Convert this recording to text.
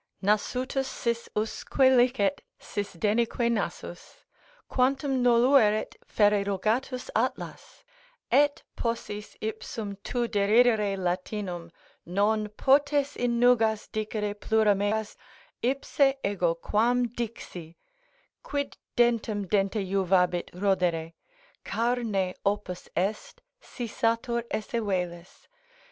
"Nasutus sis usque licet, sis denique nasus, Quantum noluerit ferre rogatus Atlas; Et possis ipsum to deridere Latinum, Non potes in nugas dicere plura mess, Ipse ego quam dixi: quid dentem dente juvabit Rodere? carne opus est, si satur esse velis.